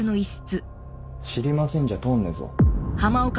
「知りません」じゃ通んねえぞ。